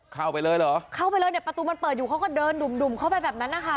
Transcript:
เข้าไปเลยเหรอเข้าไปเลยเนี่ยประตูมันเปิดอยู่เขาก็เดินดุ่มดุ่มเข้าไปแบบนั้นนะคะ